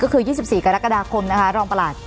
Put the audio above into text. ก็คือ๒๔กรกฎาคมนะคะรองประหลัด